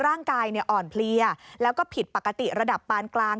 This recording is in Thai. ร่างกายอ่อนเพลียแล้วก็ผิดปกติระดับปานกลาง